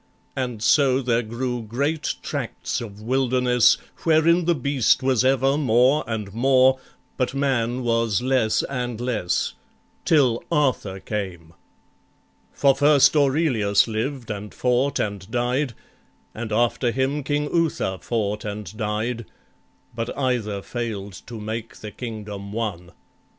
And so there grew great tracts of wilderness, Wherein the beast was ever more and more, But man was less and less, till Arthur came. For first Aurelius lived and fought and died, And after him King Uther fought and died, But either fail'd to make the kingdom one.